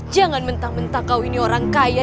jangan mentah mentah kau ini orang kaya